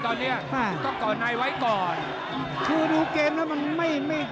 ก่อนเนี้ยก็ก่อนนายไว้ก่อนคือดูเกมนั้นมันไม่ไม่